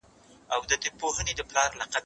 زه به اوږده موده د کتابتوننۍ سره مرسته کړې وم؟!